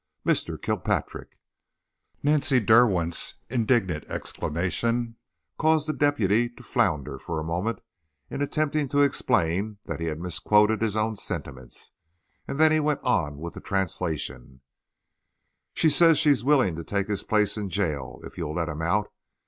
"Mr. Kilpatrick!" Nancy Derwent's indignant exclamation caused the deputy to flounder for a moment in attempting to explain that he had misquoted his own sentiments, and then he went on with the translation: "She says she's willing to take his place in the jail if you'll let him out.